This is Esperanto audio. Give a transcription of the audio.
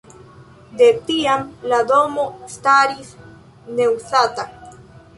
De tiam la domo staris neuzata.